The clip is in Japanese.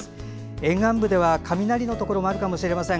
沿岸部では雷のところもあるかもしれません。